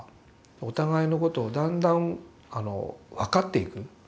お互いのことをだんだん分かっていく。